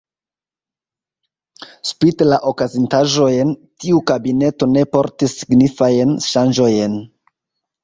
Spite la okazintaĵojn, tiu kabineto ne portis signifajn ŝanĝojn.